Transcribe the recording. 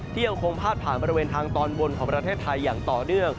ยังคงพาดผ่านบริเวณทางตอนบนของประเทศไทยอย่างต่อเนื่อง